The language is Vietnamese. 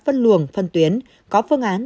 phân luồng phân tuyến có phương án